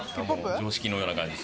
常識のような感じです。